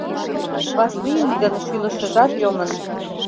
Васлийын гын шӱлышыжат йомын.